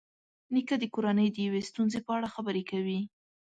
نیکه د کورنۍ د یوې ستونزې په اړه خبرې کوي.